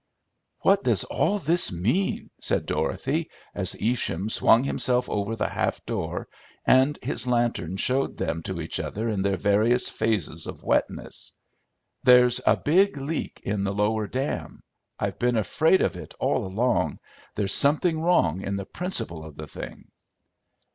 "What does all this mean?" said Dorothy, as Evesham swung himself over the half door and his lantern showed them to each other in their various phases of wetness. "There's a big leak in the lower dam; I've been afraid of it all along; there's something wrong in the principle of the thing."